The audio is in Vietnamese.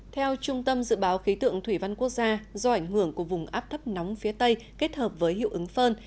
theo trung tâm dự báo khí tượng thủy văn quốc gia do ảnh hưởng của vùng áp thấp nóng phía tây kết hợp với hiệu ứng phơn